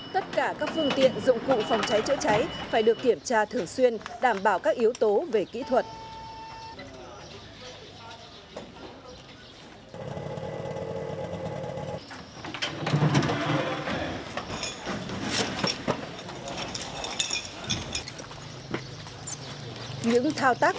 tất cả các phương tiện dụng cụ phòng cháy chế cháy phải được kiểm tra thường xuyên đảm bảo các yếu tố về kỹ thuật